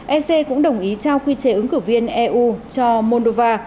ec cũng đồng ý trao quy chế ứng cử viên eu cho moldova